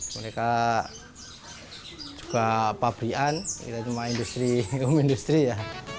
mereka juga pabrian kita cuma industri umum industri ya